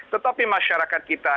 tetapi masyarakat kita